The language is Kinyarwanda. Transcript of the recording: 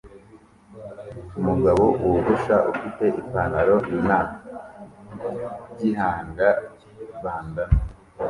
Umugabo wogosha ufite Ipanaro na gihanga bandanna